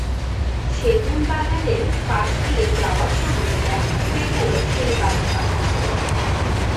সেগুনবাগানের পাশ দিয়ে যাওয়ার সময় দেখা হয়ে গেল সেই বাজপাখির সঙ্গে।